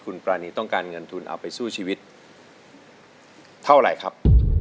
คุณปรานีต้องการเงินทุนเอาไปสู้ชีวิตเท่าไหร่ครับ